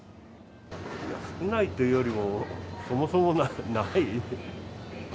少ないというよりも、そもそもない。